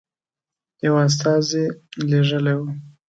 یو استازی لېږلی وو.